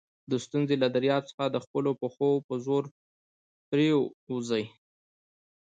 د ستونزي له دریاب څخه د خپلو پښو په زور پورېوځئ!